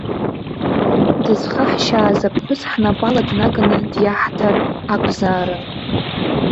Дызхаҳшьааз аԥҳәыс ҳнапала днаганы диаҳҭар акәзаарын.